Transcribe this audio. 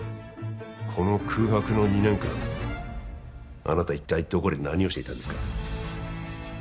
この空白の２年間あなた一体どこで何をしていたんですか？